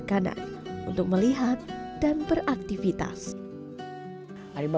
sebelah matanya juga sudah lama pudar dan hanya mengandalkan kemampuan